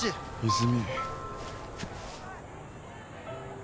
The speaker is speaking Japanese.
泉。